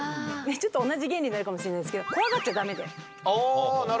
ちょっと同じ原理になるかもしれないんですけど、怖がっちゃだめで。